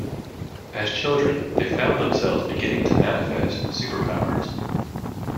As children, they found themselves beginning to manifest superpowers.